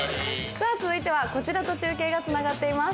さぁ続いてはこちらと中継がつながっています。